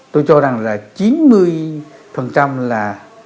tôi cho rằng là chín mươi là